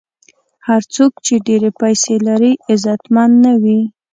هر څوک چې ډېرې پیسې لري، عزتمن نه وي.